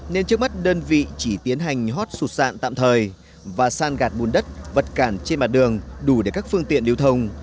nên trước mắt đơn vị chỉ tiến hành hót sụt sạn tạm thời và san gạt bùn đất vật cản trên mặt đường đủ để các phương tiện lưu thông